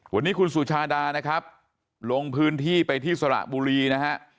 วันนี้คุณสุชาดานะครับลงพื้นที่ไปที่สระบุรีนะฮะ